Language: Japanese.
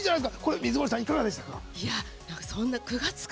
水森さん、いかがでしたか？